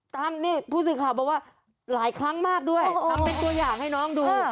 ผู้สื่อข่าวบอกว่าหลายครั้งมากด้วยทำเป็นตัวอย่างให้น้องดู